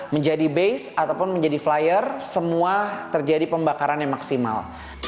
menjadi base ataupun menjadi flyer semua terjadi pembakaran yang maksimal